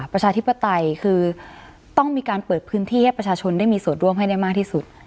ประชาธิปไตยคือต้องมีการเปิดพื้นที่ให้ประชาชนได้มีส่วนร่วมให้ได้มากที่สุด